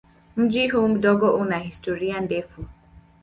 Mji huu mdogo una historia ndefu.